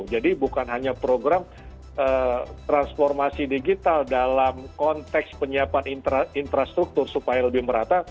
jadi bukan hanya program transformasi digital dalam konteks penyiapan infrastruktur supaya lebih merata